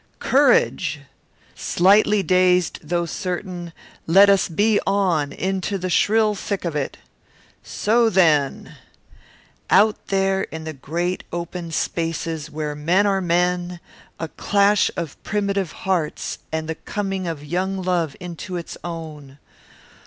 Courage! Slightly dazed, though certain, let us be on, into the shrill thick of it. So, then Out there in the great open spaces where men are men, a clash of primitive hearts and the coming of young love into its own!